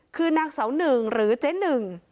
คือนางเสาหนึ่งหรือเจ๊หนึ่ง